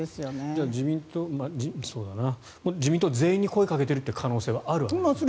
じゃあ、自民党全員に声をかけているという可能性はあるわけですか？